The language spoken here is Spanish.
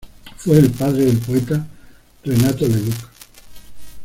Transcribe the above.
Fue el padre del poeta Renato Leduc.